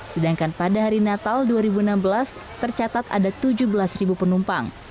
sedangkan pada hari natal dua ribu enam belas tercatat ada tujuh belas penumpang